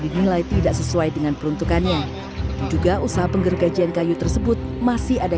dinilai tidak sesuai dengan peruntukannya juga usaha penggergajian kayu tersebut masih ada